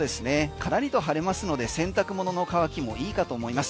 からりと晴れますので洗濯物の乾きも良いかと思います。